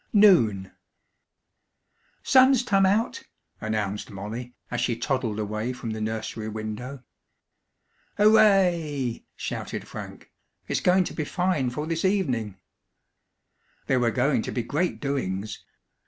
NOON "Sun's tum out!" announced Molly, as she toddled away from the nursery window. "Hooray!" shouted Frank. "It's going to be fine for this evening!" There were going to be great doings.